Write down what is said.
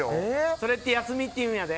それって休みっていうんやで。